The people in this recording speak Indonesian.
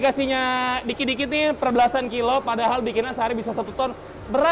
karena kalau buat keripik harus keras tempenya